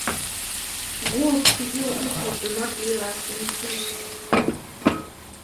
Woe to you if you do not leave us in peace.